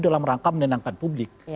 dalam rangka menenangkan publik